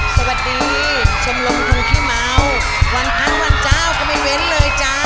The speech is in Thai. สวัสดีชมรมคนขี้เมาวันครั้งวันเจ้าก็ไม่เว้นเลยจ้า